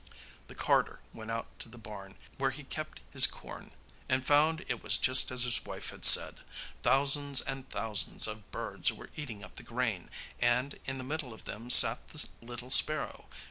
The carter went out to the barn where he kept his corn and found it was just as his wife had said. Thousands and thousands of birds were eating up the grain, and in the middle of them sat the little sparrow.